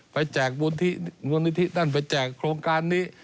ไปแจกบูรณิธินั่นไปแจกโครงการนี้